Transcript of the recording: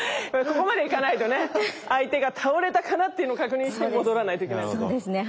ここまでいかないとね相手が倒れたかなっていうのを確認して戻らないといけないんですね。